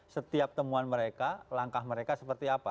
setiap temuan mereka langkah mereka seperti apa